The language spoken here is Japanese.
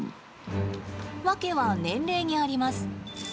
訳は年齢にあります。